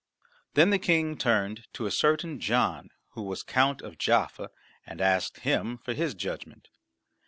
Then the King turned to a certain John, who was Count of Jaffa, and asked him for his judgment.